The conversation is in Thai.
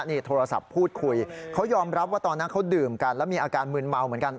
นี่โทรศัพท์พูดคุยเขายอมรับว่าตอนนั้นเขาดื่มกันแล้วมีอาการมืนเมาเหมือนกัน